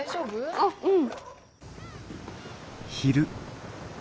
あっうん。